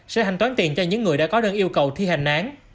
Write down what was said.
sẽ hành toán tiền cho những người đã có đơn yêu cầu thi hành án